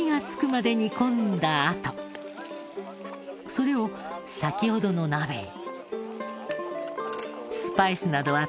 それを先ほどの鍋へ。